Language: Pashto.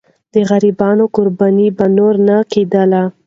د غریبانو قرباني به نور نه کېدله.